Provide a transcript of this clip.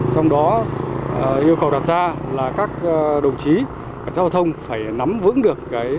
trong đó yêu cầu đặt ra là các đồng chí cảnh sát giao thông phải nắm vững được